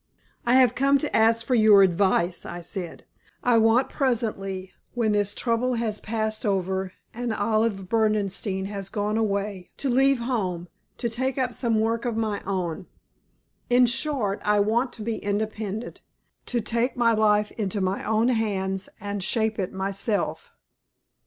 "I have come to ask for your advice," I said. "I want presently, when this trouble has passed over and Olive Berdenstein has gone away, to leave home, to take up some work of my own. In short, I want to be independent, to take my life into my own hands and shape it myself."